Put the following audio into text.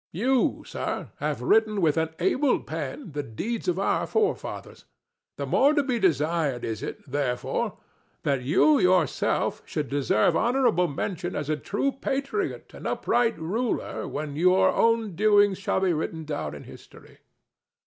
You, sir, have written with an able pen the deeds of our forefathers; the more to be desired is it, therefore, that yourself should deserve honorable mention as a true patriot and upright ruler when your own doings shall be written down in history."